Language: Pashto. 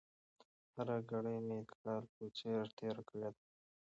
هره ګړۍ مې د کال په څېر تېره کړې ده.